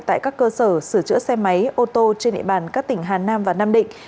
tại các cơ sở sửa chữa xe máy ô tô trên địa bàn các tỉnh hà nam và nam định